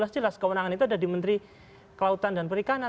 jelas jelas kewenangan itu ada di menteri kelautan dan perikanan